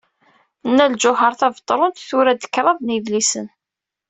Nna Lǧuheṛ Tabetṛunt tura-d kraḍ yedlisen.